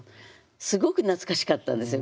すごく懐かしかったんですよ